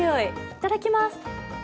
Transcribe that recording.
いただきます。